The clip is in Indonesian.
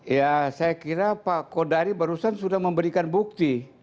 ya saya kira pak kodari barusan sudah memberikan bukti